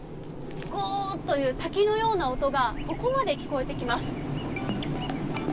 ゴーという滝のような音がここまで聞こえてきます。